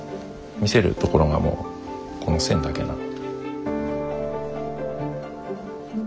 見せるところがもうこの線だけなので。